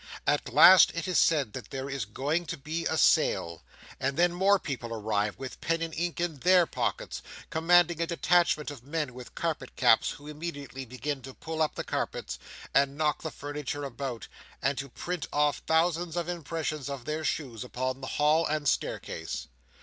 At last it is said that there is going to be a Sale; and then more people arrive, with pen and ink in their pockets, commanding a detachment of men with carpet caps, who immediately begin to pull up the carpets, and knock the furniture about, and to print off thousands of impressions of their shoes upon the hall and staircase.